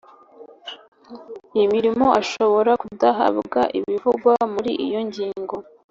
imirimo ashobora kudahabwa ibivugwa mu iyo ngingo